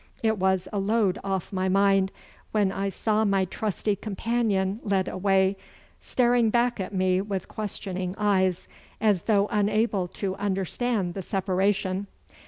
It was a load off my mind when I saw my trusty companion led away, staring back at me with questioning eyes, as though unable to understand the separation.